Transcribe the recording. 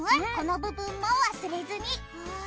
この部分も忘れずに！